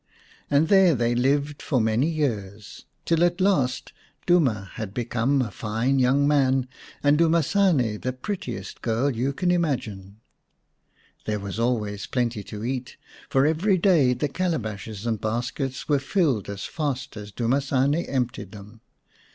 And there they lived for many years, till at last Duma had become a fine young man and Dumasane the prettiest girl you can imagine. There was always plenty to eat, for every day the calabashes and baskets were filled as fast as Dumasane emptied them.